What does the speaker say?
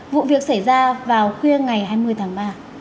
vụ việc xảy ra vào khuya ngày hai mươi tháng ba